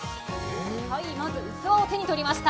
器を手に取りました。